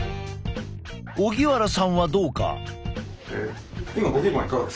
荻原さんはどうか？